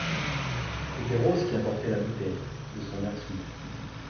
C’était Rose qui apportait la bouteille, de son air soumis.